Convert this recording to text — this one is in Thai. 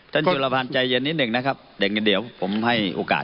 จุลภัณฑ์ใจเย็นนิดหนึ่งนะครับเดี๋ยวผมให้โอกาส